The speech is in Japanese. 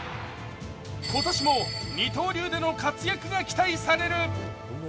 今年も二刀流での活躍が期待される。